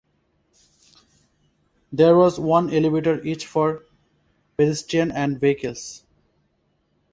There was one elevator each for pedestrians and vehicles.